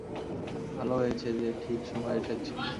ভালো হয়েছে যে ঠিক সময়ে এসেছি।